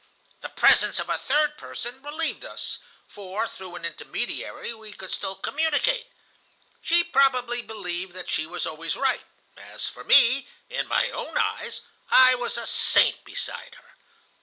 The presence of a third person relieved us, for through an intermediary we could still communicate. She probably believed that she was always right. As for me, in my own eyes, I was a saint beside her.